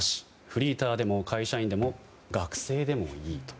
フリーターでも会社員でも学生でもいいと。